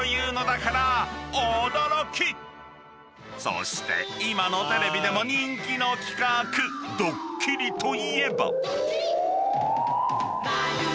［そして今のテレビでも人気の企画どっきりといえば］